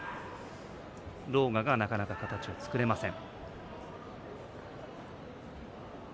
狼雅がなかなか形を作れません。